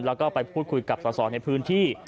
แล้วก็ไปพูดคุยกับส่อในพื้นที่